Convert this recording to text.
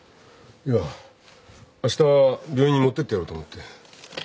いやあした病院に持ってってやろうと思って。